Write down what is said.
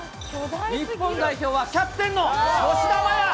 日本代表はキャプテンの吉田麻也。